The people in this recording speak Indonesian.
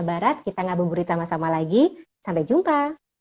barat kita gak berburu sama sama lagi sampai jumpa